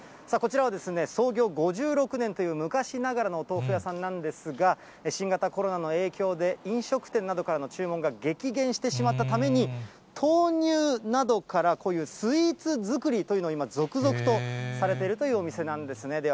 さあ、こちらは創業５６年という、昔ながらの豆腐屋さんなんですが、新型コロナの影響で、飲食店などからの注文が激減してしまったために、豆乳などから、こういうスイーツ作りというのを、今、続々とされているというお店なんですね。